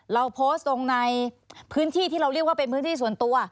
เราโพสต์ลงในพื้นที่ที่เราเรียกว่าเป็นพื้นที่ส่วนตัว